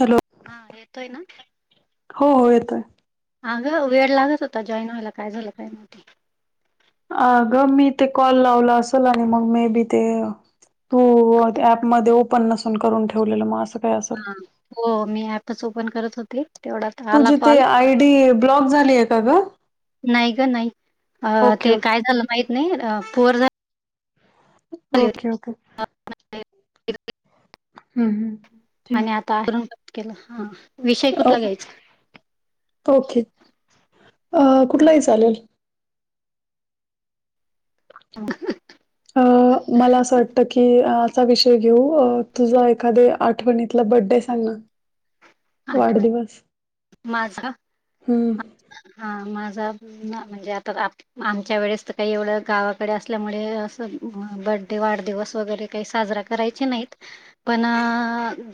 Hello. हा येतोय ना. हो हो येतोय. अगं वेळ लागत होता जॉईन व्हायला काय झालं काय माहिती? अ ग मी ते कॉल लावला असेल आणि मग मे बी ते हो होहो ते ऍपमध्ये ओपन नसून करून ठेवलेलं मग असं काय असल. हा. हो मी ऍपच ओपन करत होत‌. [unintelligible] तेवढा तुझी ते आय डी ब्लॉक झाली आहे का ग. नाही ग नाही अ ओके ते काय ओके झालं माहित नाही पोर झा ओके. ओके. हम्म हम्म. आणि आता [unintelligible] कट केलंय हा विषय हम्म कुठला घ्यायचा? ओके अ हा, कुठलाही चालेल. अ मला असं वाटत की कि असा विषय घेऊ तुझा एखाद्या आठवणीतला बडडे सांगा. [inaudible] माझं हम्म ना म्हणजे आताच आप आमच्या वेळेस तर काही एवढं गावाकडे असल्यामुळे असं बडे वाढदिवस वगैरे काही साजरा करायचे नाही पण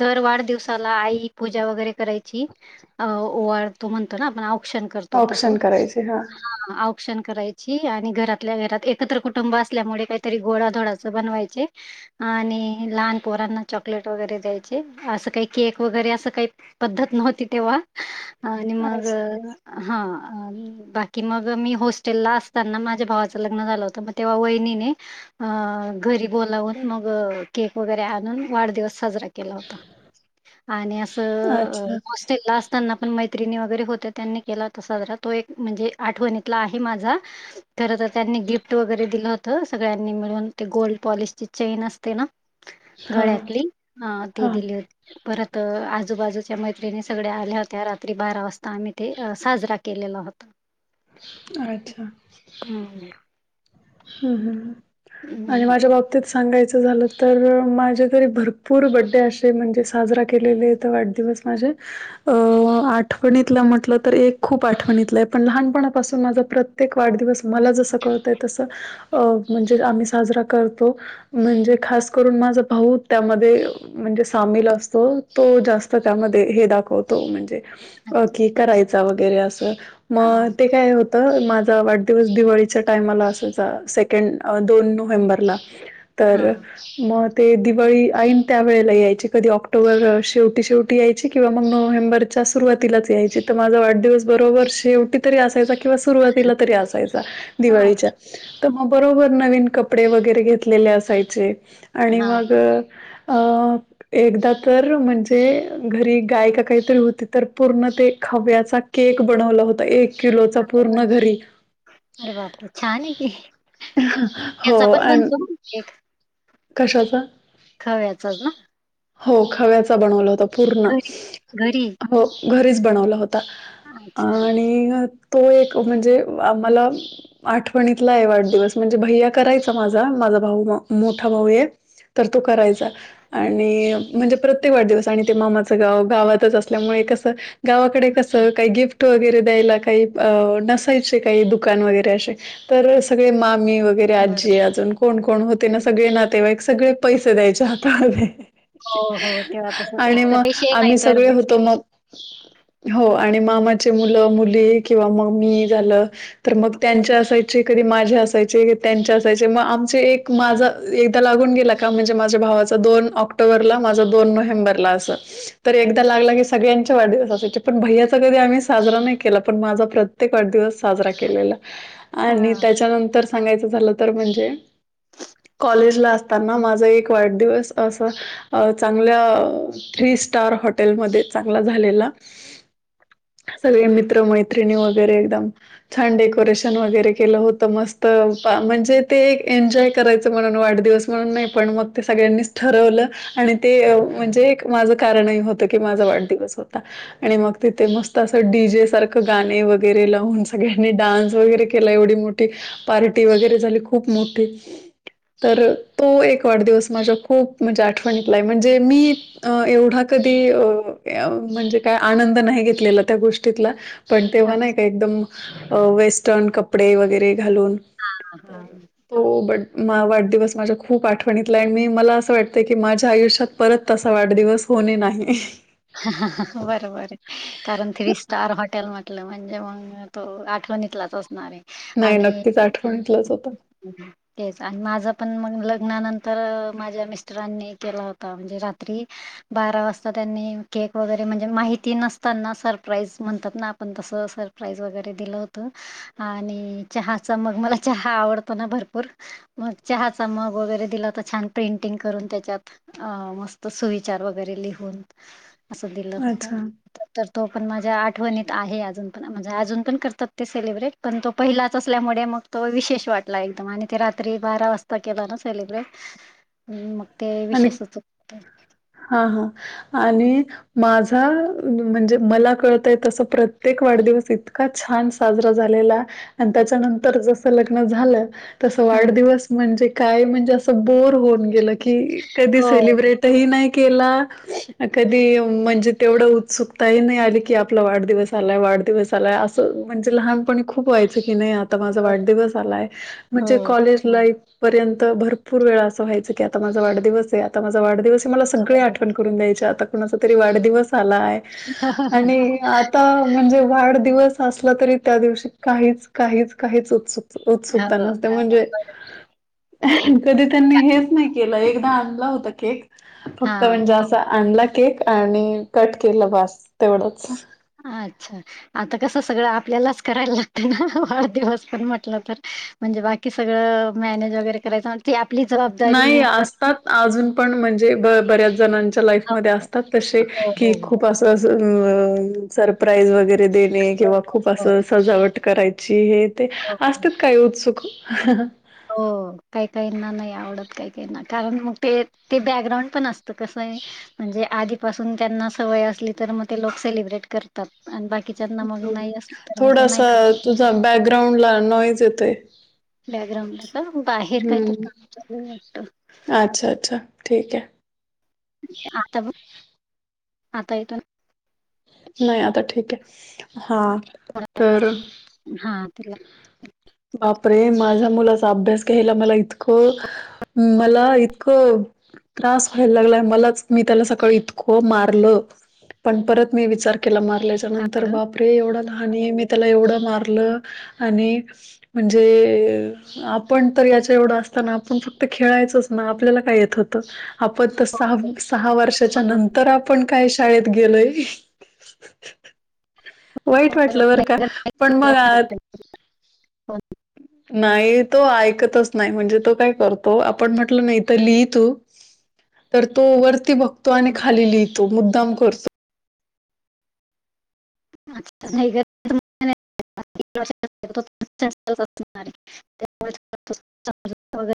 दर वाढ वादिवसाला आई पूज पूजा वगैरे करायची अ ओवाळतो म्हणतो ना आपण औक्षण करतो तसं‌. ऑप्शन करायचे हा औक्षण करायची आणि घरातल्या घरात एकत्र कुटुंब असल्यामुळे काहीतरी गोळाधोडा च बनवायचे आणि लहान पोरांना चॉकलेट वगैरे द्यायचे. असं काही केक वगैरे असं काही पद्धत नव्हती तेव्हा आणि मग अच्छा हा. बाकी मग मी हॉस्टेलला असताना माझ्या भावाचं लग्न झालं होतं मग तेव्हा वहिनीने अ घरी बोलावून मग केक वगैरे आणून वाढदिवस साजरा केला होता. आणि असं अच्छा मस ला असताना पण मैत्रिणी वगैरे होत त्यांनी केला होता साजरा तो एक म्हणजे आठवणीतला आहे माझा. खर तर त्यांनी गिफ्ट वगैरे दिलं होत सगळ्यांनी मिळून ते गोल्ड पॉलिशची चेन असते ना. हा गळ्यातली ती हा दिली होती परत आज आजूबाजूच्या मैत्रिणी सगळ्या आल्या होत्या रात्री बारा वाजता आम्ही ते साजरा केलेला होता. अच्छा. हम्म. हम्म हम्म आणि माझ्या बाप तत सांगायचं झालं तर माझ्या घरी भरपूर बड्डे असे म्हणजे साजरा केलेले तर वाढदिवस माझं अ आठवणीतला म्हटलं तर एक खूप आठवणीतलं आहे पण लहानपणापासून माझा प्रत त्येक वाढदिवस मला जसं कळतंय तसं अ म्हणजे आम्ही साजरा करतो. म्हणजे खास करून माझं भाऊ त्यामध्ये म्हणजे सामील असतो तो जास्त त्यामध्ये हे दाखवतो म्हणजे ओके करायचा वगैरे असं हा मग ते काय होत तर माझा वाढदिवस दिवाळीच्या टाइमाला असायचा सेकंड दोन नोव्हेंबरला तर हा मग ते दिवाळी आईनं त्यावेेळेला यायची कधी ऑक्टोबर शेवटी शेव टी यायची किंवा मग नोव्हेंबरच्या सुरुवातीलाच यायची तर माझा वाढदिवस बरोबर शेवटी तरी असायचा किंवा सुरुवातीला तरी असायचा दिवाळीच्या. तर मग बरोबर नवीन कपडे वगैरे घेतलेले असायचे. आणि हा मग अ एकदा तर म्हणजे घरी गाय का काहीतरी होती तर पूर्ण ते खव्याचा केक बनवला होता एक किलोचा हा पूर्ण घरी. अरे बाप रे छान आहे की हो त्याचा पण अ बनतो केक. कशाचा खव्याचाच ना. हो खव्याचा बनवला होत पूर्ण. घरी घरी हो घरीच बनवला होत त अच्छा आणि तो एक म्हणजे आ मला आठवणीतला आहे वाढदिवस म्हणजे भैया करायचा माझा माझा भाऊ म मोठा भाऊ आहे. तर तो करायचा. आणि म्हणजे प्रत्येक वाढदिवस आणि ते मामाचं गाव गावातच असल्यामुळे कसं गावाकडे कसं काही गिफ्ट वगैरे द्यायला काही अ नसायचे काही दुकान वगैरे अशे तर सगळे मामी व गेरे बरं आजी अजून कोण कोण होते ना सगळे नातेवायक सगळे पैसे द्यायचे हाताले. हो हो तेव्हा तस एक आणि तर मग ते शेक नाही आम्ही तर सगळे होतो, बिस्किट मग हो आणि मामाचे मुलं मुली किंवा मम्मी ही झालं तर मग त्यांचे असायचे कधी माझ्या असायचे त्यांचे असायचे म आमचे एक माझा एकदा लागून गेला का म्हणजे माझ्या भावाचा दोन ऑक्टोबरला माझा दोन नोव्हेंबरला असं तर एकदा लागला की, सगळ्यां चा वाढदिवस असायचे पण भैय्याचा कधी आम्ही साजरा नाही केला पण माझा प्रत्येक वाढदिवस साजरा केलेला आणि हा त्याच्यानंतर सांगायचं झालं तर म्हणजे कॉलेजला असताना माझा एक वाढदिवस असं अ चांगल्या थ्री स्टार हॉटेलमध्ये चांगला झालेला. सगळे मित्र मैत्रिणी वगैरे एकदम छान डेकोरेशन वगैरे केलं होतं, मस्त म्हणजे ते एक एन्जॉय करायचं तर म्हणून वाढदिवस म्हणून नाही पण मग ते सगळ्यांनीच ठरवलं आणि ते म्हणजे एक माझं कारणही होतं की माझा वाढदिवस होता आणि मग तिथे मस्त असं तर डी जे सारखं गाणे वगैरे लावून सगळ्यांनी डान्स वगैरे केला. एवढी मोठी पार्टी वगैरे झाली खूप मोठी तर तो एक वाढदिवस माझ्या खूप म्हणजे आठवणीतला आहे म्हणजे मी अ एवढा कधी अ य म्हणजे काय आनंद नाही घेतलेला त्या गोष्टीतला. पण तेव्हा अच्छा नाही का एकदम अ वेस्टर्न कपडे वगैरे घालून तर हा तो बड मा वाढदिवस माझ्या खूप आठवणीतलाय मी मला असं वाटतं की माझ्या आयुष्यात परत तसा वाढदिवस कोणी नाही. बरं बरं कारण थ्री स्टार हॉटेल म्हटलं म्हणजे मग तो आठवणीतलाच असणार आहे. नाही नक्कीच आठवणीतलाच होता. उ हम्म. तेच आणि माझं पण मग लग्नानंतर माझ्या मिस्टरांनी केला होता म्हणजे रात्री बारा वाजता त्यांनी केक वगैरे म्हणजे माहिती नसतांना सरप्राईज म्हणतात ना आपण तसं सरप्राईज वगैरे दिलं होतं. आणि चहाचा मग मला चहा आवडतो ना भरपूर. मग चहाचा मग वगैरे दिला होता छान प्रेंटिंग करून त्याच्यात. अ मस्त सुविचार वगैरे लिहून असं दिलं होतं. अच्छा तर तो पण माझ्या आठवणीत आहे अजून पण म्हणजे अजून पण करतात ते सेलिब्रेट. पण तो पहिलाच असल्यामुळे मग तो विशेष वाटला एकदम आणि ते रात्री बारा वाजता केला ना सेलिब्रेट. [unintelligible] हम्म मग ते विशेषच हा हा आणि माझा म्हणजे मला कळतय तस प्रत्येक वाढदिवस इतका छान साजरा झालेला आणि त्याच्यानंतर जस लग्न झालं. तसं ह वाढदिवस म्हणजे काय म्हणजे असं बोर होऊन गेलं की कधी हो. सेलिब्रेट ते ही नाही केला कधी म्हणजे तेवढ उत्सुकताही नाही आली की आपला वाढदिवस तालाय वाढदिवस आलाय असं म्हणजे लहानपणी खूप व्हायंची कि नाही ता माझा हो. वाढदिवस आलाय म्हणजे हो कॉलेज लाईफ पर्यंत भरपूर वेळा असं व्हायचं की आता माझा वाढदिवस आहे आता माझा वाढदिवस आहे मला सगळे आठवण करून द्यायचे आत्ता कोणाचा तरी वाढदिवस आला आहे आणि आता म्हणजे वाढदिवस असला तरी त्या दिवशी काहीच काहीच काहीच उत्सुक उत्सुकता नसते म्हणजे कधी त्यांनी हेच नाही केलं एकदा आणला होता केक फक्त हा. म्हणजे असं आणला केक आणि कट केलं बास तेवढंच. अच्छा आता कसं सगळं आपल्यालाच कराय लागतं ना वाढदिवस पण म्हटलं तर. म्हणजे बाकी सगळं मॅनेज वगैरे करायचं ती आपली जबाबदारी. [unintelligible] तात अजून पण म्हणजे ब बऱ्याच जणांच्या लाईफ मध्ये असतात तशे हो की हो खूप अस तसं उम्म सरप्राईज वगैरे देणे किंवा खूप हो असं सजावट कराय ची हे ते हो. असतेत काय उत्सुक. हो काही काही ना नाही आवडत काही काही ना कारण मग ते ते बॅकग्राउंड पण अस ता कसंय म्हणजे आधीपासून त्यांना सवय असली तर म ते लोक सेलिब्रेट कर तात आणि बाकीच्यांना मग नाही असलं तर मग ते नाही करू. [inaudible] जा बॅकग्राऊंड ला नॉईज येतोय. बॅकग्राउंड ला का बाहेर काही तरी काम हम्म चालूय वाटतं. अच्छा अच्छा. ठीक आहे. हे आता बघ, आता येतो ना? नाही आता ठीक हाय. हा तर हा. तिला बापरे माझ्या मुलाचा अभ्यास घ्यायला मला इतकं मला इतकं त्रास व्हायला लागलाय मलाच, मी त्याला सकाळ इतकं मारलं. पण परत मी विचार केला मारल्याच्या नंतर कारण बाप रे एवढं लहान मी त्याला एवढं मारलं. आणि म्हणजे आपण तर याच्या एवढं असताना आपण फक्त खेळायचंच ना, आपल्याला काय येत होतं. आपण तर सहा, सहा वर्षाच्या नंतर आपण काय शाळेत गेलोय. वाईट वाटलं बरं का, पण मला हो. [inaudible] नाही तो ऐकतच नाही म्हणजे तो काय करतो, आपण म्हटलं ना इथं लीही तू तर तो वरती बघतो आणि खाली लिहितो. मुद्दाम करतो. अ तिथं नाही ग [inaudible] [unintelligible] आहे.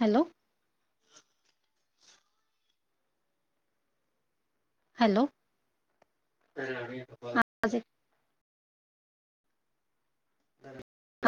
हॅलो. हॅलो. हा आवाज [inaudible]